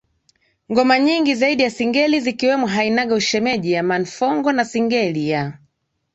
ngoma nyingi zaidi za Singeli zikiwemo Hainaga Ushemeji ya Man Fongo na Singeli ya